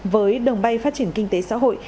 với đường bay phát triển kinh tế xã hội